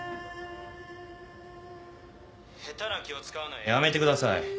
下手な気を使うのはやめてください。